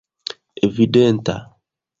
evidenta